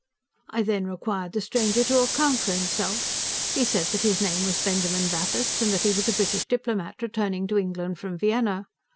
I then required the stranger to account for himself. He said that his name was Benjamin Bathurst, and that he was a British diplomat, returning to England from Vienna.